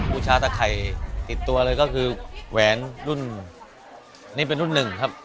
บูชาตะไข่ติดตัวเลยก็คือแหวนรุ่นนี่เป็นรุ่นหนึ่งครับ